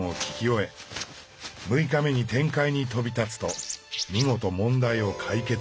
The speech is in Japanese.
６日目に天界に飛び立つと見事問題を解決。